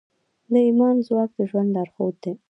د ایمان ځواک د ژوند لارښود دی.